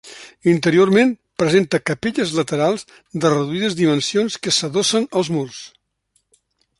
Interiorment presenta capelles laterals de reduïdes dimensions que s'adossen als murs.